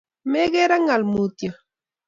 Megeere ngaal mutyo